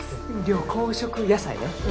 緑黄色野菜ね。